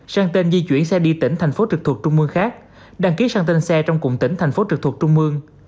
sang tên di chuyển xe đi tỉnh thành phố trực thuộc trung mương khác đăng ký sang tên xe trong cụm tỉnh thành phố trực thuộc trung mương